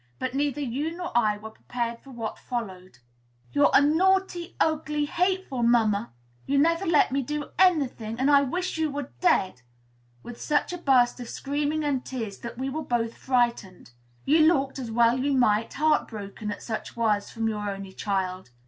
But neither you nor I were prepared for what followed. "You're a naughty, ugly, hateful mamma! You never let me do any thing, and I wish you were dead!" with such a burst of screaming and tears that we were both frightened. You looked, as well you might, heart broken at such words from your only child.